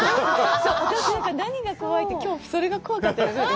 私、何が怖いって、きょうそれが怖かったです。